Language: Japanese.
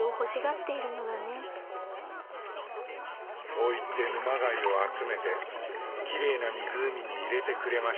そう言って沼貝を集めてきれいな湖に入れてくれました。